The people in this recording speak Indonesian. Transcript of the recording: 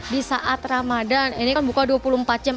di saat ramadhan ini kan buka dua puluh empat jam